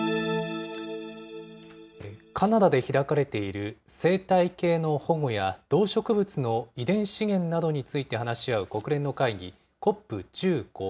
カナダで開かれている生態系の保護や動植物の遺伝資源などについて話し合う国連の会議、ＣＯＰ１５。